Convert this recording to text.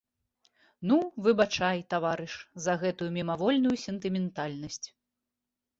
Ну, выбачай, таварыш, за гэту мімавольную сентыментальнасць.